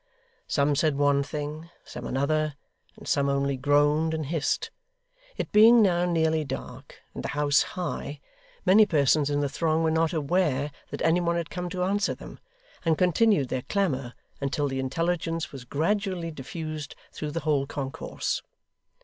Some said one thing, some another, and some only groaned and hissed. It being now nearly dark, and the house high, many persons in the throng were not aware that any one had come to answer them, and continued their clamour until the intelligence was gradually diffused through the whole concourse.